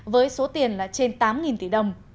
với số tiền là trên tám tỷ đồng